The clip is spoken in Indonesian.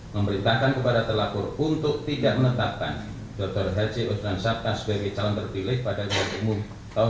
lima memberintahkan kepada telapur untuk tidak menetapkan dr haji osman sattar sebagai calon terpilih pada bumi tahun dua ribu sembilan belas